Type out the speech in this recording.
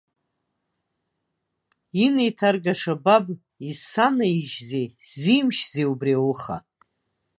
Инеиҭаргаша баб, изсанаижьзеи, сзимшьызеи убри ауха.